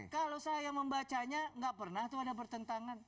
kalau saya membacanya nggak pernah itu ada bertentangan